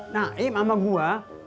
nah ini mama gua